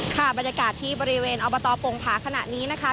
ค่ะบรรยากาศที่บริเวณอบตโป่งผาขณะนี้นะคะ